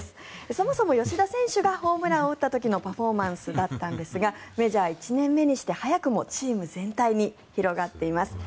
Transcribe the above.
そもそも吉田選手がホームランを打った時のパフォーマンスだったんですがメジャー１年目にして、早くもチーム全体に広がっています。